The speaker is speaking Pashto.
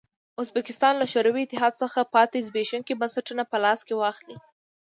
ازبکستان له شوروي اتحاد څخه پاتې زبېښونکي بنسټونه په لاس کې واخلي.